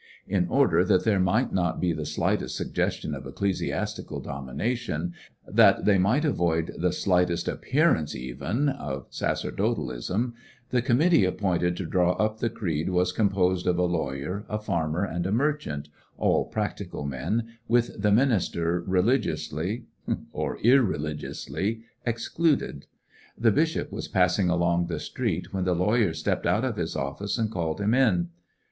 In order that there might not be the slightest suggestion of ecclesiastical domination, that they might avoid the slightest appearance even of sacerdotalism, the committee ap pointed to draw up the creed was composed of a lawyer, a farmer, and a merchant, all practical men, with the minister religiously, or irreligiously, excluded. The bishop was passing along the street, when the lawyer stepped out of his of&ce and called him in.